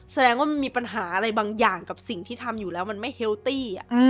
แสดงว่ามันมีปัญหาอะไรบางอย่างกับสิ่งที่ทำอยู่แล้วมันไม่เฮลตี้